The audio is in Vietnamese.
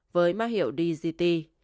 với má hiệu dgt